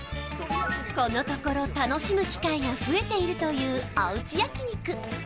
このところ楽しむ機会が増えているというおうち焼肉